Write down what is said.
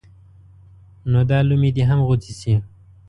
نو دا لومې دې هم غوڅې شي.